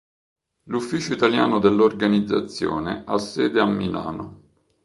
L'ufficio italiano dell'organizzazione ha sede a Milano.